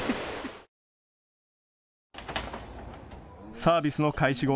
サービスの開始後。